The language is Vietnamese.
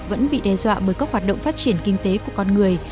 vẫn bị đe dọa bởi các hoạt động phát triển kinh tế của con người